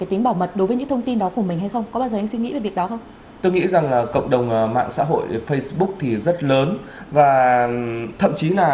tôi thì tôi nghĩ là